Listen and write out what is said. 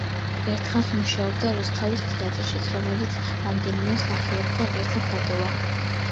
ერთხანს მუშაობდა რუსთავის თეატრშიც, რომელიც რამდენიმე მსახიობთან ერთად დატოვა.